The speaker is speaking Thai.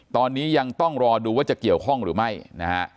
ตอนนี้ยังต้องรอดูว่าจะเกี่ยวข้องหรือไม่นะฮะ